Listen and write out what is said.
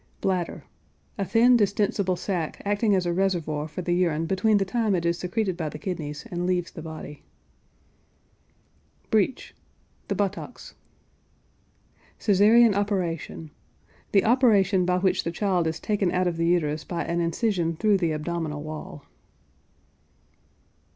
BLADDER. A thin, distensible sack acting as a reservoir for the urine between the time it is secreted by the kidneys and leaves the body. BREECH. The buttocks. CESAREAN OPERATION. The operation by which the child is taken out of the uterus by an incision through the abdominal wall.